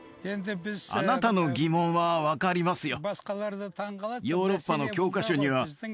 あなたの疑問は分かりますよ